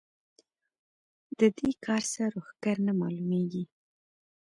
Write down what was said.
د دې کار سر و ښکر نه مالومېږي.